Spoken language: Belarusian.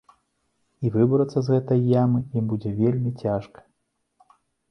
І выбрацца з гэтай ямы ім будзе вельмі цяжка.